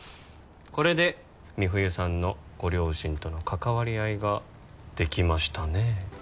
これで美冬さんのご両親との関わり合いができましたね